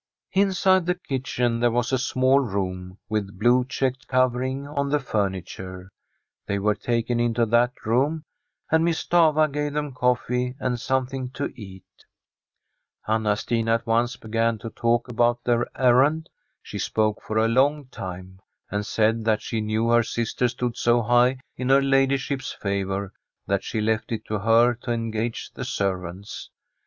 Inside the kitchen there was a small room, with blue checked covering on the furniture. They were taken into that room, and Miss Stafva gave them coffee and something to eat. Anna Stina at once began to talk about their errand. She spoke for a long time; said that she knew her sister stood so high in her lady Fram a SWEDISH HOMESTEAD ship's favour that she left it to her to engage the servants.